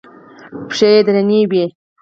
پښې يې درنې وې.